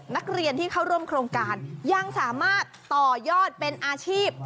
นักเรียนที่เข้าร่วมโครงการยังสามารถต่อยอดเป็นอาชีพ